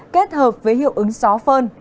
kết hợp với hiệu ứng gió phơn